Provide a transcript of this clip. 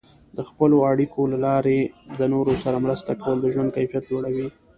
د خپلو اړیکو له لارې د نورو سره مرسته کول د ژوند کیفیت لوړوي.